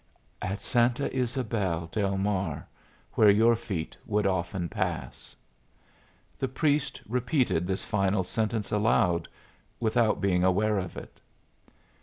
"'At Santa Ysabel del Mar, where your feet would often pass.'" The priest repeated this final sentence aloud, without being aware of it.